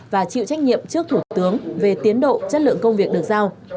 và chịu trách nhiệm trước thủ tướng về tiến độ chất lượng công việc được giao